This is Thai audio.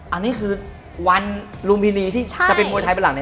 อันนี้คือวันลุมพินีที่จะเป็นมวยไทยเป็นหลังไหน